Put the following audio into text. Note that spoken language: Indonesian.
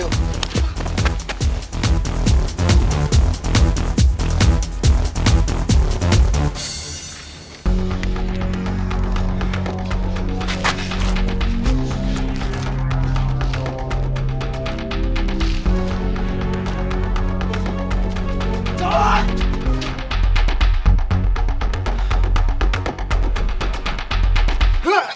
yuk kita bantuin